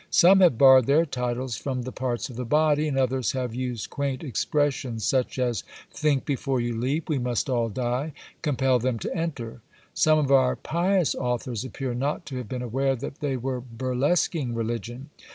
Some have borrowed their titles from the parts of the body; and others have used quaint expressions, such as Think before you leap We must all die Compel them to enter. Some of our pious authors appear not to have been aware that they were burlesquing religion.